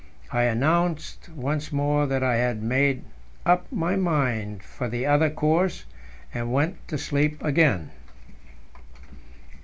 I announced once more that I had made up my mind for the other course, and went to sleep again.